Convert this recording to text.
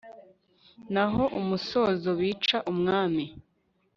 Naho umusozo bica umwami